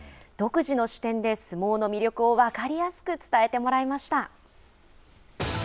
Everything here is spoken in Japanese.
独自の視点で相撲の魅力を分かりやすく伝えてもらいました。